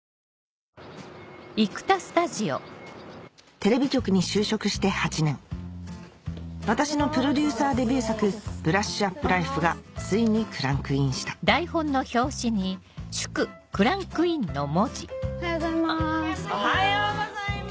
テレビ局に就職して８年私のプロデューサーデビュー作『ブラッシュアップライフ』がついにクランクインしたおはようございます。